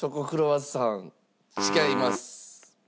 違います。